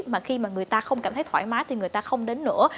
mà khi mà người ta không cảm thấy thoải mái thì người ta không đến nữa